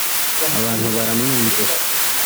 abantu baramwumvira